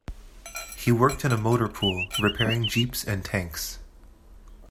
He worked in a motor pool, repairing jeeps and tanks.